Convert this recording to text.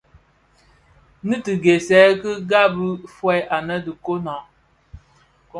Nnë ti ghèsèè ki ghabi fœug annë dhi nkonag.